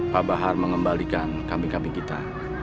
pak bahar mengembalikan kambing kambing kita